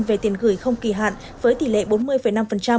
về tiền gửi không kỳ hạn với tỷ lệ bốn mươi năm